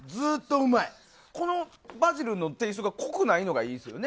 このバジルのテイストが濃くないのがいいですよね。